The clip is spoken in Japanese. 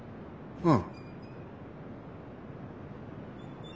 うん。